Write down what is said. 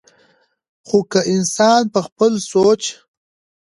خو کۀ انسان پۀ خپل سوچ